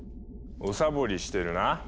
おサボりしてるな。